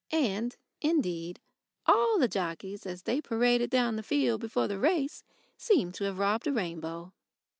And, indeed, all the jockeys as they paraded down the field before the race seemed to have robbed a rainbow.